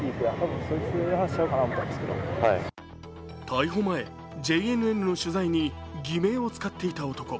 逮捕前、ＪＮＮの取材に偽名を使っていた男。